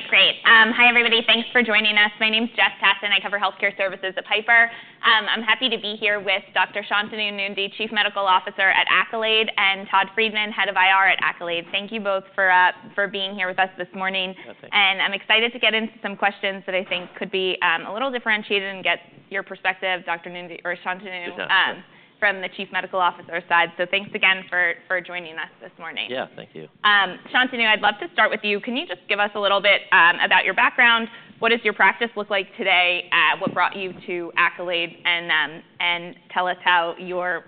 All right, great. Hi, everybody. Thanks for joining us. My name's Jess Tassin. I cover health care services at Piper. I'm happy to be here with Dr. Shantanu Nundy, Chief Medical Officer at Accolade, and Todd Friedman, Head of IR at Accolade. Thank you both for being here with us this morning. Yeah, thank you. I'm excited to get into some questions that I think could be a little differentiated and get your perspective, Dr. Nundy or Shantanu from the Chief Medical Officer side. Thanks again for joining us this morning. Yeah, thank you. Shantanu, I'd love to start with you. Can you just give us a little bit about your background? What does your practice look like today? What brought you to Accolade? And tell us how your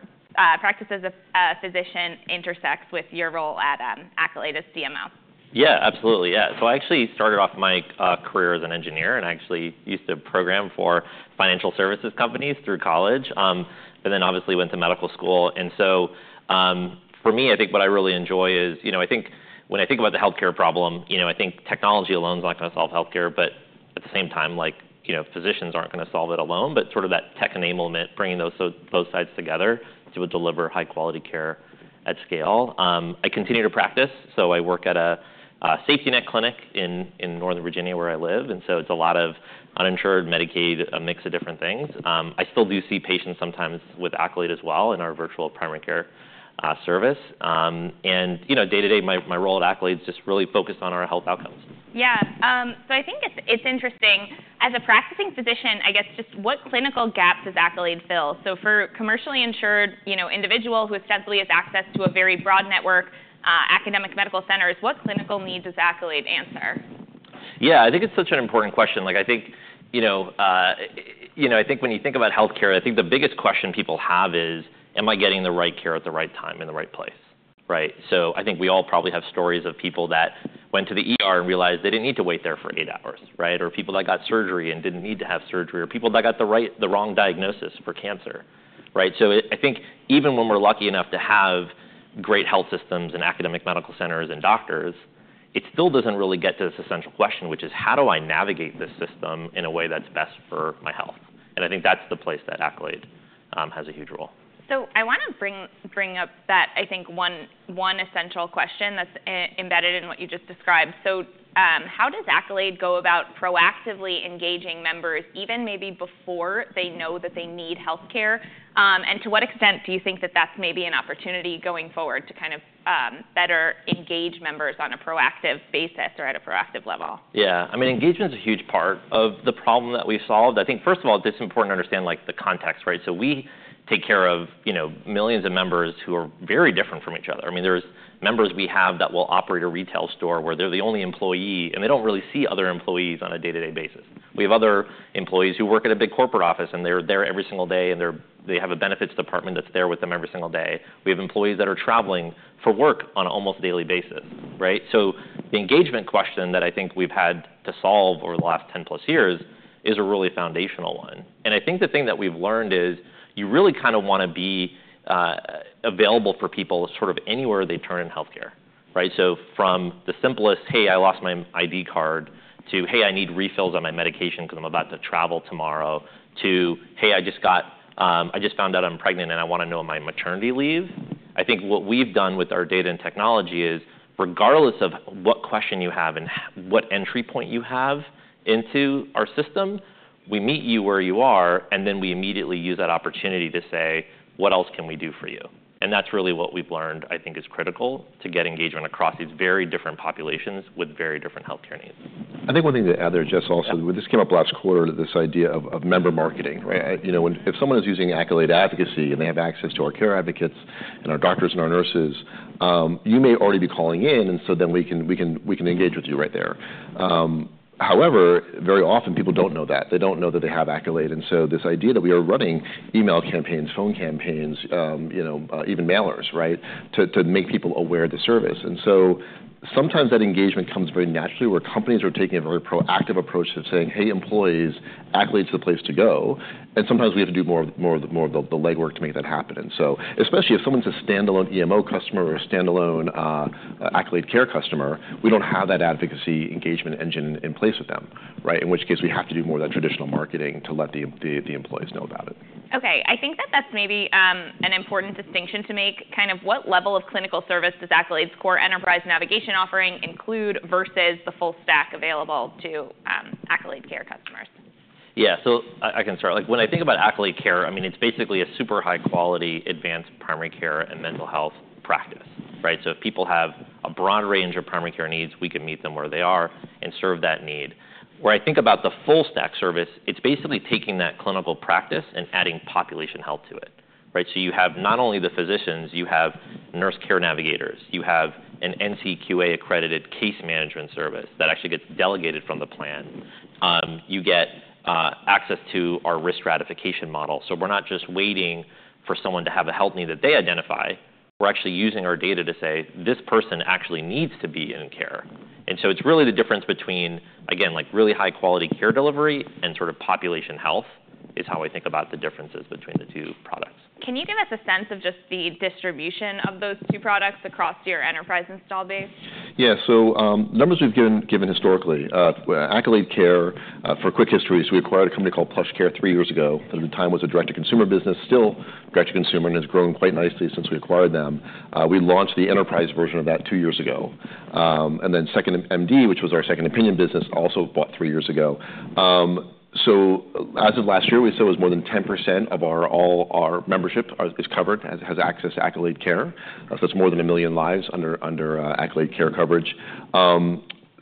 practice as a physician intersects with your role at Accolade as CMO? Yeah, absolutely. Yeah. So I actually started off my career as an engineer. And I actually used to program for financial services companies through college, but then obviously went to medical school. And so for me, I think what I really enjoy is, you know, I think when I think about the health care problem, you know, I think technology alone is not going to solve health care. But at the same time, like, you know, physicians aren't going to solve it alone. But sort of that tech enablement, bringing those both sides together to deliver high-quality care at scale. I continue to practice. So I work at a safety net clinic in Northern Virginia where I live. And so it's a lot of uninsured, Medicaid, a mix of different things. I still do see patients sometimes with Accolade as well in our virtual primary care service. You know, day to day, my role at Accolade is just really focused on our health outcomes. Yeah. So I think it's interesting. As a practicing physician, I guess, just what clinical gap does Accolade fill? So for a commercially insured individual who ostensibly has access to a very broad network of academic medical centers, what clinical needs does Accolade answer? Yeah, I think it's such an important question. Like, I think, you know, you know, I think when you think about health care, I think the biggest question people have is, am I getting the right care at the right time in the right place? Right? So I think we all probably have stories of people that went to the ER and realized they didn't need to wait there for eight hours, right? Or people that got surgery and didn't need to have surgery, or people that got the wrong diagnosis for cancer, right? So I think even when we're lucky enough to have great health systems and academic medical centers and doctors, it still doesn't really get to this essential question, which is, how do I navigate this system in a way that's best for my health? I think that's the place that Accolade has a huge role. So I want to bring up that, I think, one essential question that's embedded in what you just described. So how does Accolade go about proactively engaging members, even maybe before they know that they need health care? And to what extent do you think that that's maybe an opportunity going forward to kind of better engage members on a proactive basis or at a proactive level? Yeah. I mean, engagement is a huge part of the problem that we solved. I think, first of all, it's important to understand, like, the context, right? So we take care of, you know, millions of members who are very different from each other. I mean, there's members we have that will operate a retail store where they're the only employee, and they don't really see other employees on a day-to-day basis. We have other employees who work at a big corporate office, and they're there every single day. And they have a benefits department that's there with them every single day. We have employees that are traveling for work on an almost daily basis, right? So the engagement question that I think we've had to solve over the last 10-plus years is a really foundational one. I think the thing that we've learned is you really kind of want to be available for people sort of anywhere they turn in health care, right? So from the simplest, hey, I lost my ID card, to, hey, I need refills on my medication because I'm about to travel tomorrow, to, hey, I just found out I'm pregnant, and I want to know on my maternity leave. I think what we've done with our data and technology is, regardless of what question you have and what entry point you have into our system, we meet you where you are, and then we immediately use that opportunity to say, what else can we do for you? That's really what we've learned, I think, is critical to get engagement across these very different populations with very different health care needs. I think one thing to add there, Jess, also, this came up last quarter, this idea of member marketing, right? You know, if someone is using Accolade Advocacy and they have access to our care advocates and our doctors and our nurses, you may already be calling in. And so then we can engage with you right there. However, very often, people don't know that. They don't know that they have Accolade. And so this idea that we are running email campaigns, phone campaigns, you know, even mailers, right, to make people aware of the service. And so sometimes that engagement comes very naturally, where companies are taking a very proactive approach to saying, hey, employees, Accolade is the place to go. And sometimes we have to do more of the legwork to make that happen. And so especially if someone's a standalone EMO customer or a standalone Accolade Care customer, we don't have that advocacy engagement engine in place with them, right? In which case, we have to do more of that traditional marketing to let the employees know about it. OK. I think that that's maybe an important distinction to make. Kind of what level of clinical service does Accolade's core enterprise navigation offering include versus the full stack available to Accolade Care customers? Yeah, so I can start. Like, when I think about Accolade Care, I mean, it's basically a super high-quality advanced primary care and mental health practice, right? So if people have a broad range of primary care needs, we can meet them where they are and serve that need. Where I think about the full stack service, it's basically taking that clinical practice and adding population health to it, right? So you have not only the physicians, you have nurse care navigators. You have an NCQA-accredited case management service that actually gets delegated from the plan. You get access to our risk stratification model. So we're not just waiting for someone to have a health need that they identify. We're actually using our data to say, this person actually needs to be in care. And so it's really the difference between, again, like, really high-quality care delivery and sort of population health is how I think about the differences between the two products. Can you give us a sense of just the distribution of those two products across your enterprise installed base? Yeah. So numbers we've given historically. Accolade Care, for quick history, we acquired a company called PlushCare three years ago that at the time was a direct-to-consumer business, still direct-to-consumer, and has grown quite nicely since we acquired them. We launched the enterprise version of that two years ago. And then 2nd.MD, which was our second opinion business, also bought three years ago. So as of last year, we said it was more than 10% of all our membership is covered, has access to Accolade Care. So that's more than a million lives under Accolade Care coverage.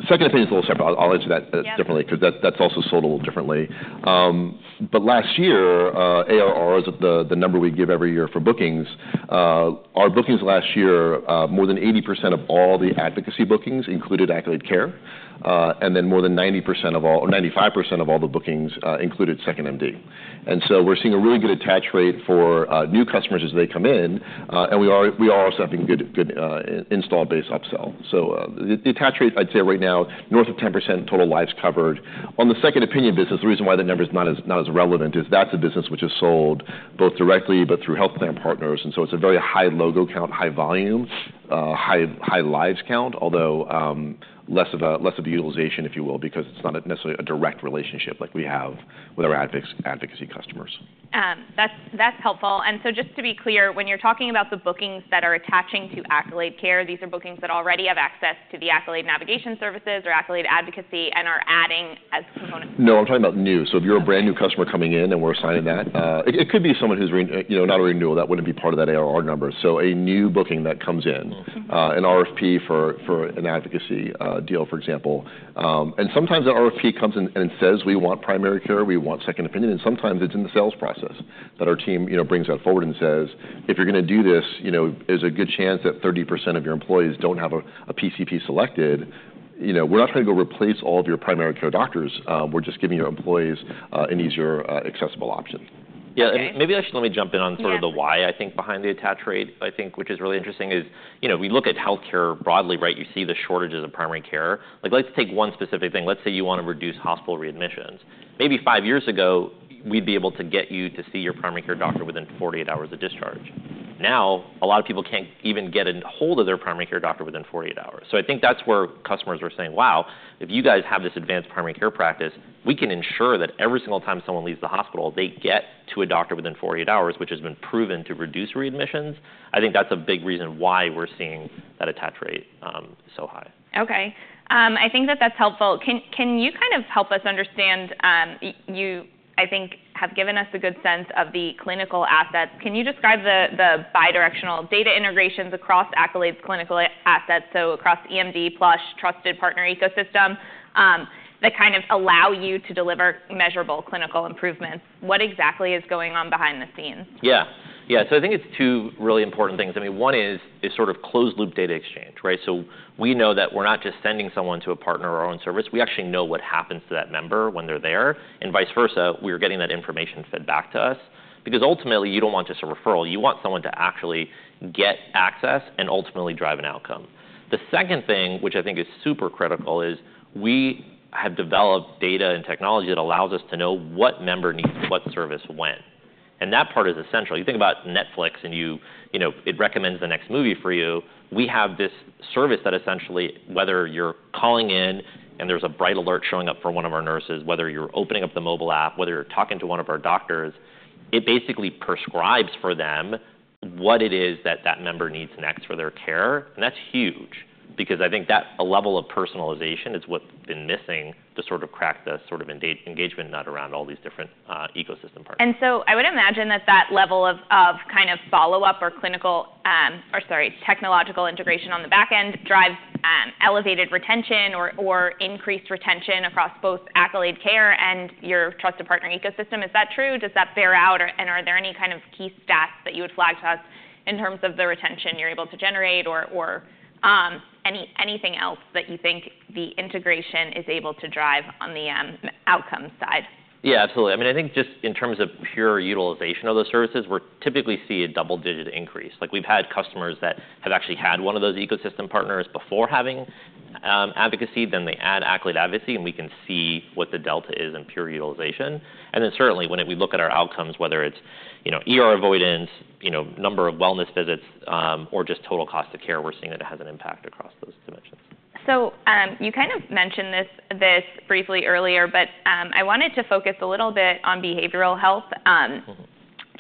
Second opinion is a little separate. I'll answer that differently because that's also sold a little differently. But last year, ARR is the number we give every year for bookings. Our bookings last year, more than 80% of all the advocacy bookings included Accolade Care. And then more than 90% of all, or 95% of all the bookings included 2nd.MD. And so we're seeing a really good attach rate for new customers as they come in. And we are also having good install-based upsell. So the attach rate, I'd say right now, north of 10% total lives covered. On the second opinion business, the reason why that number is not as relevant is that's a business which is sold both directly but through health plan partners. And so it's a very high logo count, high volume, high lives count, although less of a utilization, if you will, because it's not necessarily a direct relationship like we have with our advocacy customers. That's helpful. And so just to be clear, when you're talking about the bookings that are attaching to Accolade Care, these are bookings that already have access to the Accolade navigation services or Accolade Advocacy and are adding as components? No, I'm talking about new, so if you're a brand new customer coming in and we're assigning that, it could be someone who's, you know, not a renewal. That wouldn't be part of that ARR number, so a new booking that comes in, an RFP for an advocacy deal, for example, and sometimes that RFP comes in and says, we want primary care, we want second opinion, and sometimes it's in the sales process that our team brings that forward and says, if you're going to do this, you know, is a good chance that 30% of your employees don't have a PCP selected. You know, we're not trying to go replace all of your primary care doctors. We're just giving your employees an easier, accessible option. Yeah. And maybe actually let me jump in on sort of the why, I think, behind the attach rate. I think which is really interesting is, you know, we look at health care broadly, right? You see the shortages of primary care. Like, let's take one specific thing. Let's say you want to reduce hospital readmissions. Maybe five years ago, we'd be able to get you to see your primary care doctor within 48 hours of discharge. Now, a lot of people can't even get a hold of their primary care doctor within 48 hours. So I think that's where customers are saying, wow, if you guys have this advanced primary care practice, we can ensure that every single time someone leaves the hospital, they get to a doctor within 48 hours, which has been proven to reduce readmissions. I think that's a big reason why we're seeing that attach rate so high. OK. I think that that's helpful. Can you kind of help us understand? You, I think, have given us a good sense of the clinical assets. Can you describe the bidirectional data integrations across Accolade's clinical assets, so across 2nd.MD, Plush, Trusted Partner Ecosystem, that kind of allow you to deliver measurable clinical improvements? What exactly is going on behind the scenes? Yeah. Yeah. So I think it's two really important things. I mean, one is sort of closed-loop data exchange, right? So we know that we're not just sending someone to a partner or our own service. We actually know what happens to that member when they're there. And vice versa, we're getting that information fed back to us. Because ultimately, you don't want just a referral. You want someone to actually get access and ultimately drive an outcome. The second thing, which I think is super critical, is we have developed data and technology that allows us to know what member needs what service when. And that part is essential. You think about Netflix, and you know, it recommends the next movie for you. We have this service that essentially, whether you're calling in and there's a bright alert showing up for one of our nurses, whether you're opening up the mobile app, whether you're talking to one of our doctors, it basically prescribes for them what it is that that member needs next for their care, and that's huge. Because I think that level of personalization is what's been missing to sort of crack the sort of engagement nut around all these different ecosystem parts. And so I would imagine that that level of kind of follow-up or clinical, or sorry, technological integration on the back end drives elevated retention or increased retention across both Accolade Care and your Trusted Partner Ecosystem. Is that true? Does that bear out? And are there any kind of key stats that you would flag to us in terms of the retention you're able to generate or anything else that you think the integration is able to drive on the outcome side? Yeah, absolutely. I mean, I think just in terms of pure utilization of those services, we typically see a double-digit increase. Like, we've had customers that have actually had one of those ecosystem partners before having advocacy. Then they add Accolade Advocacy, and we can see what the delta is in pure utilization. And then certainly, when we look at our outcomes, whether it's, you know, avoidance, you know, number of wellness visits, or just total cost of care, we're seeing that it has an impact across those dimensions. So, you kind of mentioned this briefly earlier, but I wanted to focus a little bit on behavioral health.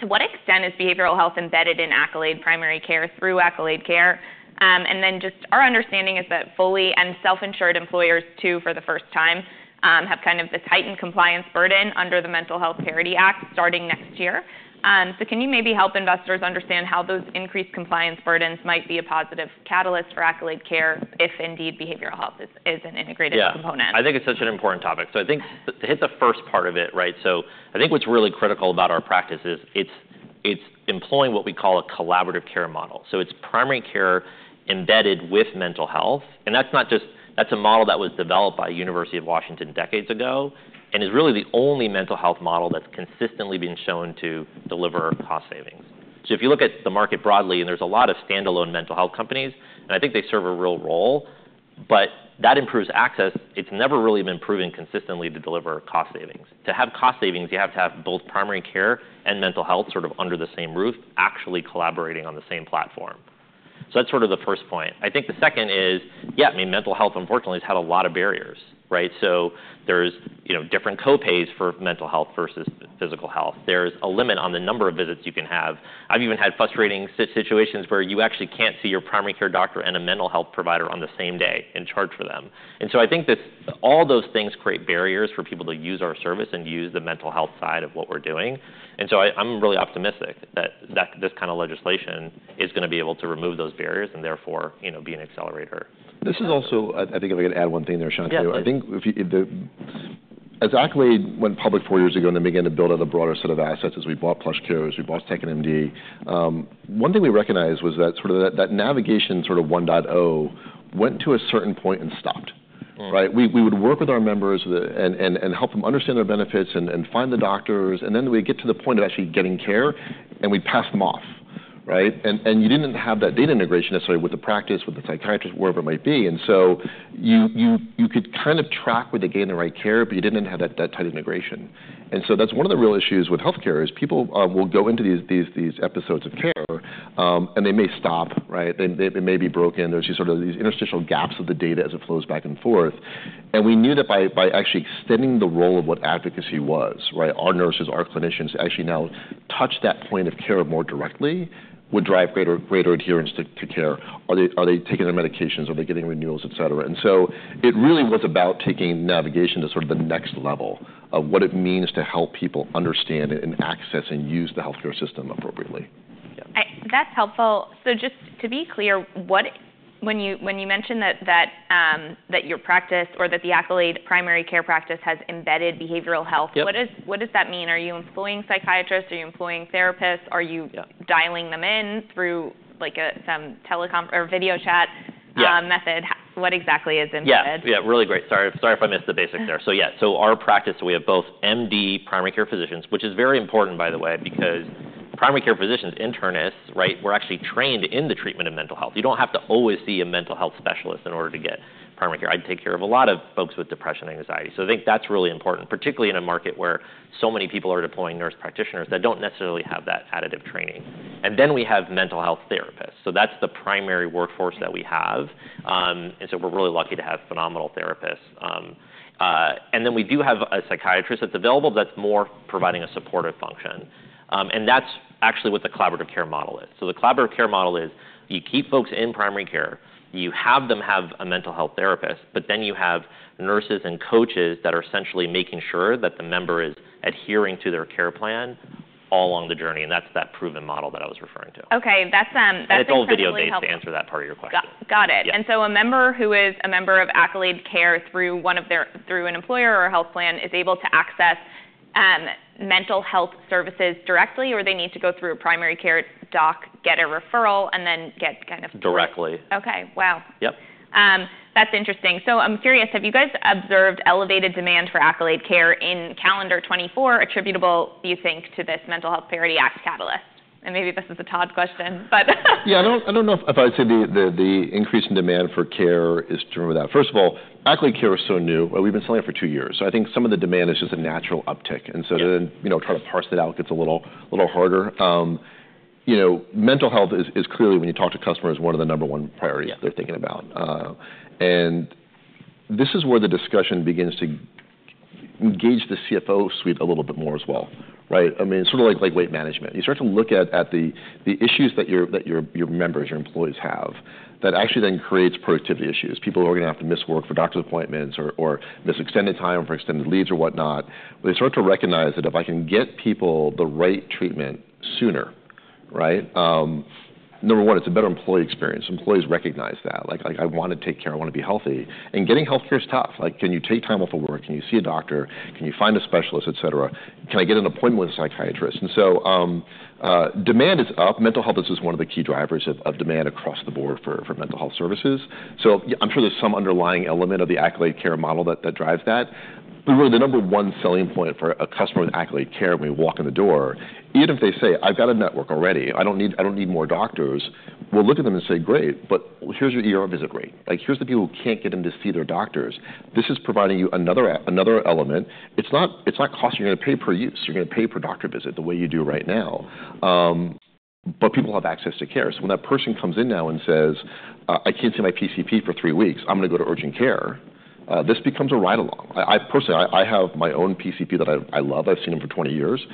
To what extent is behavioral health embedded in Accolade primary care through Accolade Care? And then, just our understanding is that fully- and self-insured employers, too, for the first time, have kind of this heightened compliance burden under the Mental Health Parity Act starting next year. So, can you maybe help investors understand how those increased compliance burdens might be a positive catalyst for Accolade Care if indeed behavioral health is an integrated component? Yeah. I think it's such an important topic. So I think to hit the first part of it, right? So I think what's really critical about our practice is it's employing what we call a Collaborative Care Model. So it's primary care embedded with mental health. And that's not just. That's a model that was developed by the University of Washington decades ago and is really the only mental health model that's consistently been shown to deliver cost savings. So if you look at the market broadly, and there's a lot of standalone mental health companies, and I think they serve a real role, but that improves access, it's never really been proven consistently to deliver cost savings. To have cost savings, you have to have both primary care and mental health sort of under the same roof, actually collaborating on the same platform. So that's sort of the first point. I think the second is, yeah, I mean, mental health, unfortunately, has had a lot of barriers, right? So there's, you know, different copays for mental health versus physical health. There's a limit on the number of visits you can have. I've even had frustrating situations where you actually can't see your primary care doctor and a mental health provider on the same day and charge for them. And so I think all those things create barriers for people to use our service and use the mental health side of what we're doing. And so I'm really optimistic that this kind of legislation is going to be able to remove those barriers and therefore be an accelerator. This is also, I think if I can add one thing there, Shantanu, I think as Accolade went public four years ago and then began to build out a broader set of assets as we bought PlushCare, as we bought 2nd.MD, one thing we recognized was that sort of that navigation sort of 1.0 went to a certain point and stopped, right? We would work with our members and help them understand their benefits and find the doctors. And then we get to the point of actually getting care, and we pass them off, right? And you didn't have that data integration necessarily with the practice, with the psychiatrist, wherever it might be. And so you could kind of track where they gain the right care, but you didn't have that tight integration. And so that's one of the real issues with health care is people will go into these episodes of care, and they may stop, right? They may be broken. There's these sort of interstitial gaps of the data as it flows back and forth. And we knew that by actually extending the role of what advocacy was, right, our nurses, our clinicians actually now touch that point of care more directly, would drive greater adherence to care. Are they taking their medications? Are they getting renewals, et cetera? And so it really was about taking navigation to sort of the next level of what it means to help people understand and access and use the health care system appropriately. That's helpful. So just to be clear, when you mentioned that your practice or that the Accolade primary care practice has embedded behavioral health, what does that mean? Are you employing psychiatrists? Are you employing therapists? Are you dialing them in through, like, some teleconference or video chat method? What exactly is embedded? Yeah. Yeah, really great. Sorry if I missed the basics there. So yeah, so our practice, we have both MD primary care physicians, which is very important, by the way, because primary care physicians, internists, right, we're actually trained in the treatment of mental health. You don't have to always see a mental health specialist in order to get primary care. I take care of a lot of folks with depression and anxiety. So I think that's really important, particularly in a market where so many people are deploying nurse practitioners that don't necessarily have that additional training. And then we have mental health therapists. So that's the primary workforce that we have. And so we're really lucky to have phenomenal therapists. And then we do have a psychiatrist that's available that's more providing a supportive function. And that's actually what the Collaborative Care Model is. The Collaborative Care Model is you keep folks in primary care, you have them have a mental health therapist, but then you have nurses and coaches that are essentially making sure that the member is adhering to their care plan all along the journey. That's that proven model that I was referring to. OK. That's a really helpful. And it's all video based to answer that part of your question. Got it, and so a member who is a member of Accolade Care through an employer or a health plan is able to access mental health services directly, or they need to go through a primary care doc, get a referral, and then get kind of. Directly. OK. Wow. Yep. That's interesting. So I'm curious, have you guys observed elevated demand for Accolade Care in calendar 2024 attributable, do you think, to this Mental Health Parity Act catalyst? And maybe this is a Todd question, but. Yeah, I don't know if I would say the increase in demand for care is true or not. First of all, Accolade Care is so new. We've been selling it for two years. So I think some of the demand is just a natural uptick. And so then, you know, trying to parse that out gets a little harder. You know, mental health is clearly, when you talk to customers, one of the number one priorities they're thinking about. And this is where the discussion begins to engage the CFO suite a little bit more as well, right? I mean, it's sort of like weight management. You start to look at the issues that your members, your employees have, that actually then creates productivity issues. People are going to have to miss work for doctor's appointments or miss extended time for extended leaves or whatnot. They start to recognize that if I can get people the right treatment sooner, right? Number one, it's a better employee experience. Employees recognize that. Like, I want to take care. I want to be healthy, and getting health care is tough. Like, can you take time off of work? Can you see a doctor? Can you find a specialist, et cetera? Can I get an appointment with a psychiatrist, and so demand is up. Mental health is just one of the key drivers of demand across the board for mental health services. So I'm sure there's some underlying element of the Accolade Care model that drives that. But really, the number one selling point for a customer with Accolade Care, when we walk in the door, even if they say, I've got a network already, I don't need more doctors, we'll look at them and say, great, but here's your visit rate. Like, here's the people who can't get in to see their doctors. This is providing you another element. It's not cost you're going to pay per use. You're going to pay per doctor visit the way you do right now. But people have access to care. So when that person comes in now and says, I can't see my PCP for three weeks, I'm going to go to urgent care, this becomes a ride-along. Personally, I have my own PCP that I love. I've seen him for 20 years.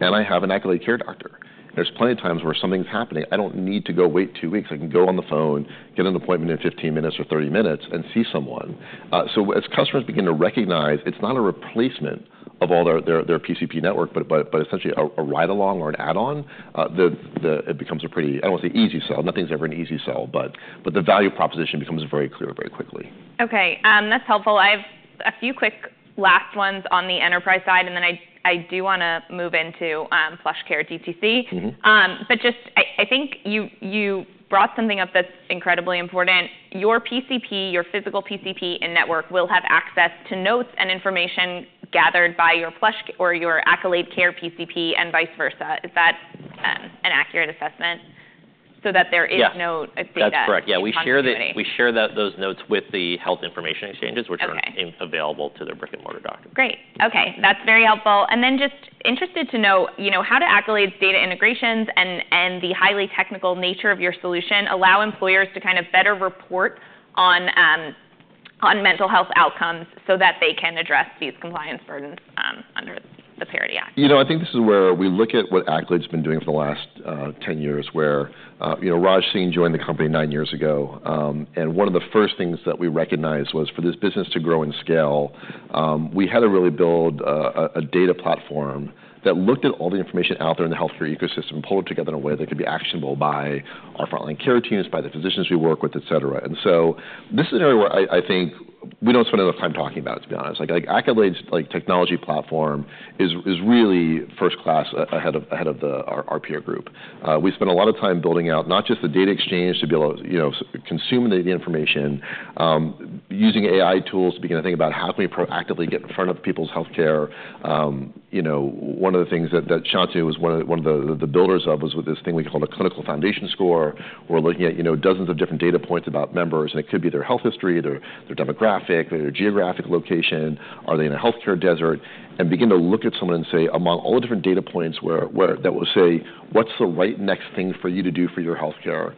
And I have an Accolade Care doctor. There's plenty of times where something's happening. I don't need to go wait two weeks. I can go on the phone, get an appointment in 15 minutes or 30 minutes, and see someone. So as customers begin to recognize it's not a replacement of all their PCP network, but essentially a ride-along or an add-on, it becomes a pretty, I don't want to say easy sell. Nothing's ever an easy sell. But the value proposition becomes very clear very quickly. OK. That's helpful. I have a few quick last ones on the enterprise side. And then I do want to move into PlushCare DTC. But just I think you brought something up that's incredibly important. Your PCP, your physical PCP in network, will have access to notes and information gathered by your PlushCare or your Accolade Care PCP and vice versa. Is that an accurate assessment? So that there is no data. That's correct. Yeah, we share those notes with the health information exchanges, which are available to their brick-and-mortar doctor. Great. OK. That's very helpful. And then just interested to know, you know, how do Accolade's data integrations and the highly technical nature of your solution allow employers to kind of better report on mental health outcomes so that they can address these compliance burdens under the Parity Act? You know, I think this is where we look at what Accolade's been doing for the last 10 years, where, you know, Raj Singh joined the company nine years ago, and one of the first things that we recognized was for this business to grow and scale, we had to really build a data platform that looked at all the information out there in the health care ecosystem and pulled it together in a way that could be actionable by our frontline care teams, by the physicians we work with, et cetera, and so this is an area where I think we don't spend enough time talking about it, to be honest. Like, Accolade's technology platform is really first class ahead of our peer group. We spent a lot of time building out not just the data exchange to be able to consume the information, using AI tools to begin to think about how can we proactively get in front of people's health care. You know, one of the things that Shantanu was one of the builders of was with this thing we called a Clinical Foundation Score. We're looking at, you know, dozens of different data points about members, and it could be their health history, their demographic, their geographic location. Are they in a health care desert and begin to look at someone and say, among all the different data points that will say, what's the right next thing for you to do for your health care?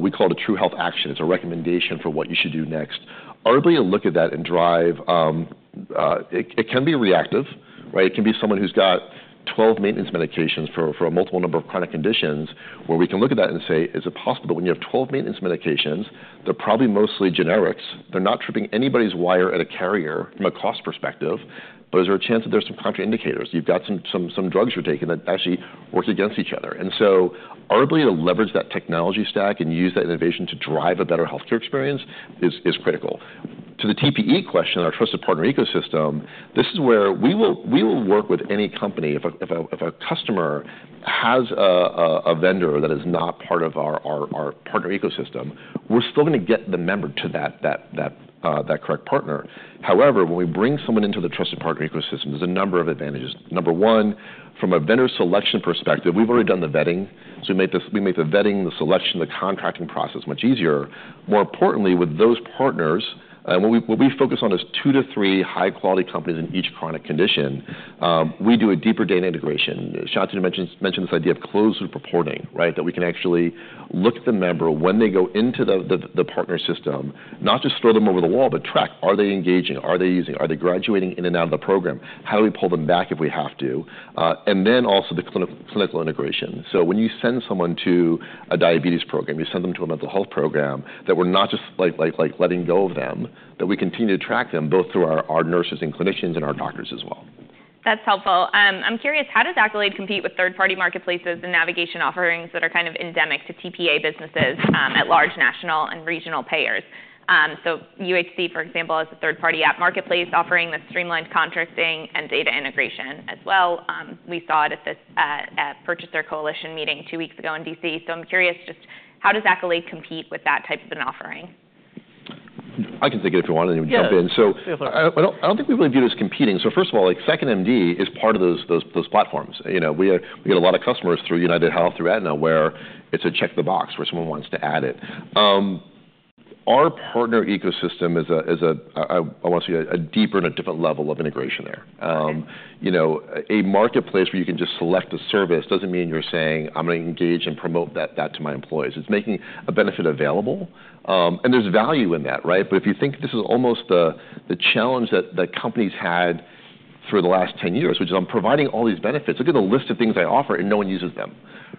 We call it a True Health Action. It's a recommendation for what you should do next. Are we able to look at that and drive? It can be reactive, right? It can be someone who's got 12 maintenance medications for a multiple number of chronic conditions where we can look at that and say, is it possible that when you have 12 maintenance medications, they're probably mostly generics? They're not tripping anybody's wire at a carrier from a cost perspective. But is there a chance that there's some contraindications? You've got some drugs you're taking that actually work against each other. And so are we able to leverage that technology stack and use that innovation to drive a better health care experience, is critical. To the TPE question, our Trusted Partner Ecosystem. This is where we will work with any company. If a customer has a vendor that is not part of our partner ecosystem, we're still going to get the member to that correct partner. However, when we bring someone into the Trusted Partner Ecosystem, there's a number of advantages. Number one, from a vendor selection perspective, we've already done the vetting. So we make the vetting, the selection, the contracting process much easier. More importantly, with those partners, and what we focus on is two to three high-quality companies in each chronic condition, we do a deeper data integration. Shantanu mentioned this idea of closed loop reporting, right, that we can actually look at the member when they go into the partner system, not just throw them over the wall, but track. Are they engaging? Are they using? Are they graduating in and out of the program? How do we pull them back if we have to, and then also the clinical integration. When you send someone to a diabetes program, you send them to a mental health program, that we're not just letting go of them. That we continue to track them both through our nurses and clinicians and our doctors as well. That's helpful. I'm curious, how does Accolade compete with third-party marketplaces and navigation offerings that are kind of endemic to TPA businesses at large national and regional payers? So UHC, for example, has a third-party app marketplace offering the streamlined contracting and data integration as well. We saw it at this purchaser coalition meeting two weeks ago in DC. So I'm curious, just how does Accolade compete with that type of an offering? I can take it if you want, and then we jump in, so I don't think we really view it as competing, so first of all, 2nd.MD is part of those platforms. You know, we get a lot of customers through UnitedHealth, through Aetna, where it's a check the box where someone wants to add it. Our partner ecosystem is, I want to say, a deeper and a different level of integration there. You know, a marketplace where you can just select a service doesn't mean you're saying, I'm going to engage and promote that to my employees. It's making a benefit available, and there's value in that, right? But if you think this is almost the challenge that companies had for the last 10 years, which is I'm providing all these benefits. Look at the list of things I offer, and no one uses them,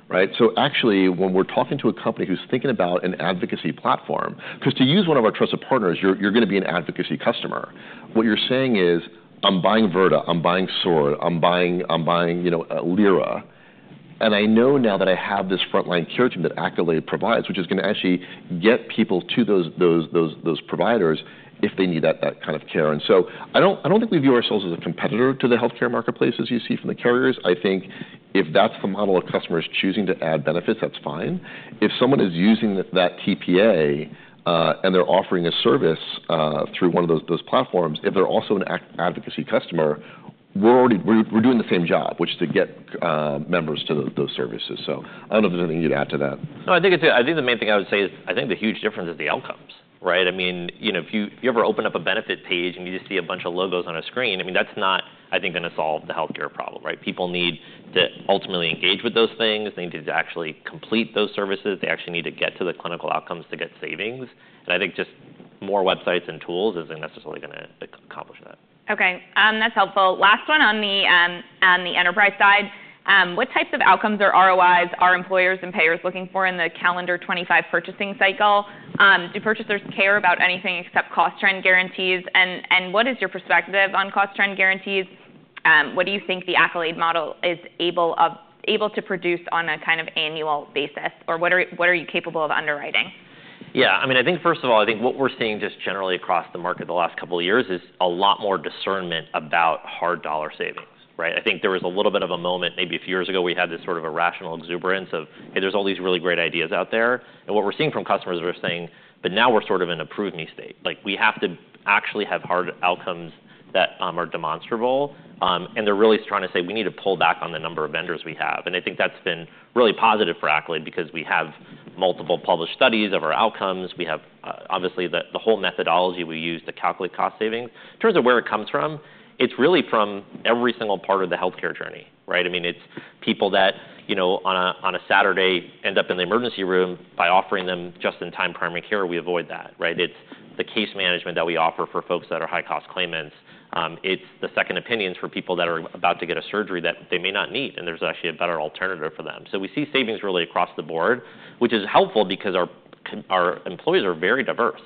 right? So actually, when we're talking to a company who's thinking about an advocacy platform, because to use one of our trusted partners, you're going to be an advocacy customer. What you're saying is, I'm buying Virta. I'm buying Sword. I'm buying Lyra. And I know now that I have this frontline care team that Accolade provides, which is going to actually get people to those providers if they need that kind of care. And so I don't think we view ourselves as a competitor to the health care marketplace, as you see from the carriers. I think if that's the model of customers choosing to add benefits, that's fine. If someone is using that TPA and they're offering a service through one of those platforms, if they're also an advocacy customer, we're doing the same job, which is to get members to those services. So I don't know if there's anything you'd add to that. No, I think the main thing I would say is I think the huge difference is the outcomes, right? I mean, you know, if you ever open up a benefit page and you just see a bunch of logos on a screen, I mean, that's not, I think, going to solve the health care problem, right? People need to ultimately engage with those things. They need to actually complete those services. They actually need to get to the clinical outcomes to get savings, and I think just more websites and tools isn't necessarily going to accomplish that. OK. That's helpful. Last one on the enterprise side. What types of outcomes or ROIs are employers and payers looking for in the calendar 2025 purchasing cycle? Do purchasers care about anything except cost trend guarantees? And what is your perspective on cost trend guarantees? What do you think the Accolade model is able to produce on a kind of annual basis? Or what are you capable of underwriting? Yeah, I mean, I think first of all, I think what we're seeing just generally across the market the last couple of years is a lot more discernment about hard dollar savings, right? I think there was a little bit of a moment maybe a few years ago we had this sort of irrational exuberance of, hey, there's all these really great ideas out there. And what we're seeing from customers are saying, but now we're sort of in an approve-me state. Like, we have to actually have hard outcomes that are demonstrable. And they're really trying to say, we need to pull back on the number of vendors we have. And I think that's been really positive for Accolade because we have multiple published studies of our outcomes. We have, obviously, the whole methodology we use to calculate cost savings. In terms of where it comes from, it's really from every single part of the health care journey, right? I mean, it's people that, you know, on a Saturday end up in the emergency room. By offering them just-in-time primary care, we avoid that, right? It's the case management that we offer for folks that are high-cost claimants. It's the second opinions for people that are about to get a surgery that they may not need. And there's actually a better alternative for them. So we see savings really across the board, which is helpful because our employees are very diverse.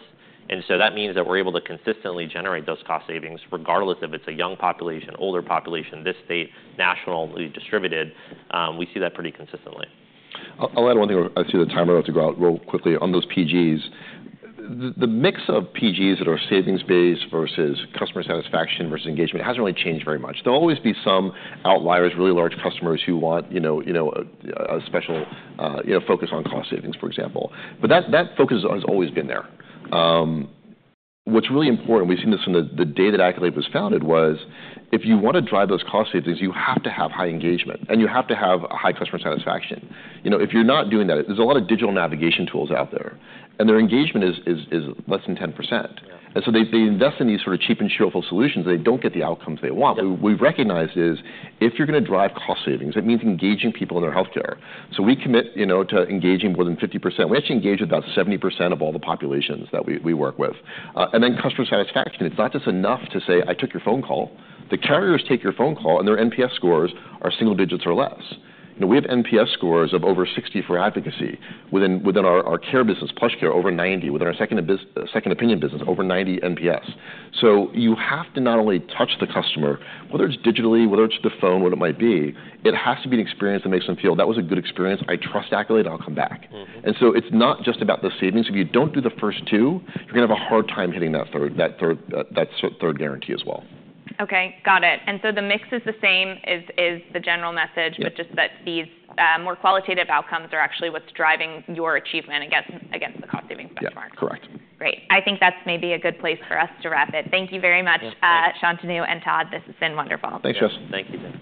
And so that means that we're able to consistently generate those cost savings, regardless if it's a young population, older population, this state, national, distributed. We see that pretty consistently. I'll add one thing. I see the timer, have to go out real quickly. On those PGs, the mix of PGs that are savings-based versus customer satisfaction versus engagement hasn't really changed very much. There'll always be some outliers, really large customers who want, you know, a special focus on cost savings, for example, but that focus has always been there. What's really important, we've seen this in the day that Accolade was founded, was if you want to drive those cost savings, you have to have high engagement and you have to have high customer satisfaction. You know, if you're not doing that, there's a lot of digital navigation tools out there, and their engagement is less than 10%, and so they invest in these sort of cheap and cheerful solutions. They don't get the outcomes they want. What we've recognized is if you're going to drive cost savings, that means engaging people in their health care, so we commit to engaging more than 50%. We actually engage with about 70% of all the populations that we work with, and then customer satisfaction. It's not just enough to say, I took your phone call. The carriers take your phone call, and their NPS scores are single digits or less. You know, we have NPS scores of over 60 for advocacy within our care business, PlushCare, over 90 within our second opinion business, over 90 NPS. So you have to not only touch the customer, whether it's digitally, whether it's the phone, what it might be, it has to be an experience that makes them feel, that was a good experience. I trust Accolade. I'll come back, and so it's not just about the savings. If you don't do the first two, you're going to have a hard time hitting that third guarantee as well. OK. Got it, and so the mix is the same as the general message, but just that these more qualitative outcomes are actually what's driving your achievement against the cost savings benchmark. Correct. Great. I think that's maybe a good place for us to wrap it. Thank you very much, Shantanu and Todd. This has been wonderful. Thanks, Shant. Thank you.